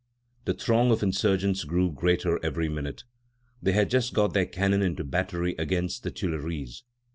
The throng of insurgents grew greater every minute. They had just got their cannon into battery against the Tuileries.